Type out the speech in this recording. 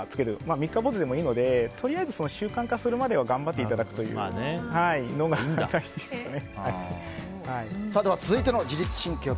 三日坊主でもいいのでとりあえず習慣化するまでは頑張っていただくのが大事ですかね。